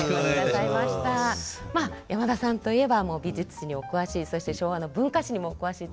まあ山田さんといえば美術史にお詳しいそして昭和の文化史にもお詳しい。